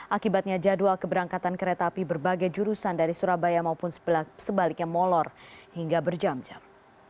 akibatnya jadwal keberangkatan kereta api berbagai jurusan dari surabaya maupun sebaliknya molor hingga berjam jam